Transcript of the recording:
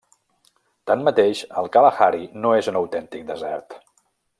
Tanmateix, el Kalahari no és un autèntic desert.